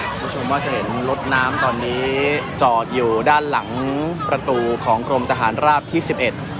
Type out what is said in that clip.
คุณผู้ชมว่าจะเห็นรถน้ำตอนนี้จอดอยู่ด้านหลังประตูของกรมทหารราบที่สิบเอ็ด